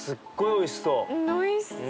おいしそう！